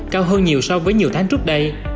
cao hơn nhiều so với nhiều tháng trước đây